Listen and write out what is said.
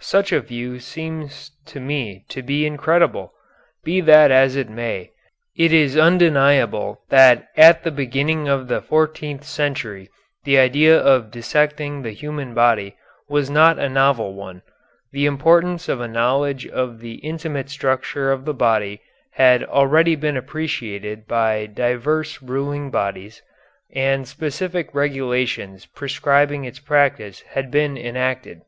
Such a view seems to me to be incredible. Be that as it may, it is undeniable that at the beginning of the 14th century the idea of dissecting the human body was not a novel one; the importance of a knowledge of the intimate structure of the body had already been appreciated by divers ruling bodies, and specific regulations prescribing its practice had been enacted.